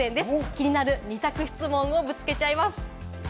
気になる二択質問をぶつけちゃいます。